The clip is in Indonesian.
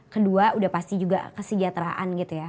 kedua udah pasti juga kesejahteraan gitu ya